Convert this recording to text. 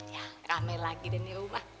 ya ramai lagi deh di rumah